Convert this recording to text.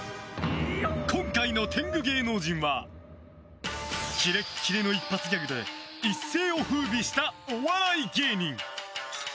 今回の天狗芸能人はキレッキレの一発ギャグで一世を風靡したお笑い芸人。